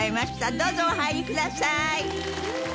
どうぞお入りください！